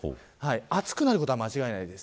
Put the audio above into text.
暑くなることは間違いないです。